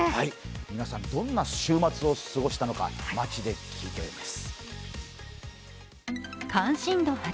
皆さん、どんな週末を過ごしたのか、街で聞いています。